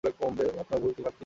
আপনারা ভুল ভাল কি লিখেছেন